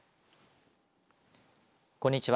こんにちは。